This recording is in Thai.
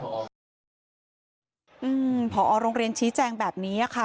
อื้มพอโลงเรียนชีแจงแบบนี้อ่ะค่ะ